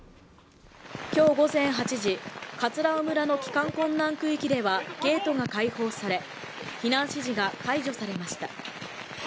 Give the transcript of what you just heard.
今日午前８時、葛尾村の帰還困難区域ではゲートが開放され、避難指示が解除されました。